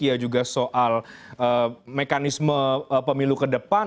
ya juga soal mekanisme pemilu kedepan